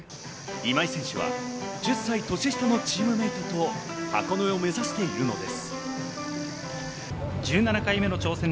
今井選手は１０歳年下のチームメートと箱根を目指しているのです。